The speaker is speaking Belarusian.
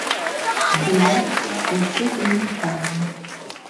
Здзіўляліся, што ўсё вельмі танна.